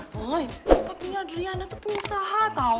boy papi adriana itu penyusaha tahu